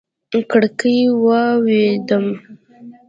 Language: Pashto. کړکۍ و اوبدم